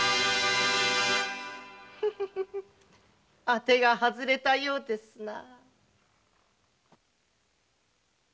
当てが外れたようですな。